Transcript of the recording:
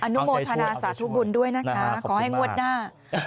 นุโมทนาสาธุบุญด้วยนะคะขอให้งวดหน้า